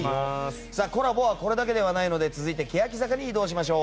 コラボはこれだけではないので続いてケヤキ坂に移動しましょう。